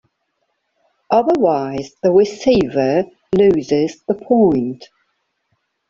Otherwise, the receiver loses the point.